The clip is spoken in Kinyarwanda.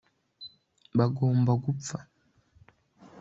bagomba gupfa